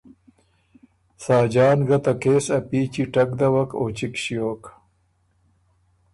ساجان ګه ته کېس ا پیچی ټک دَوَک او چِګ ݭیوک